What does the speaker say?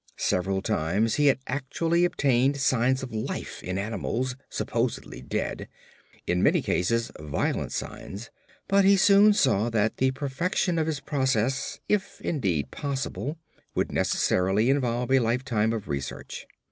Several times he had actually obtained signs of life in animals supposedly dead; in many cases violent signs; but he soon saw that the perfection of this process, if indeed possible, would necessarily involve a lifetime of research.